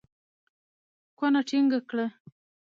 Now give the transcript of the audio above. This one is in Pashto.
کونه ټينګه کړه.